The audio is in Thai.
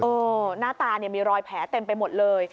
หน้าตาเนี่ยมีรอยแผลเต็มไปหมดเลย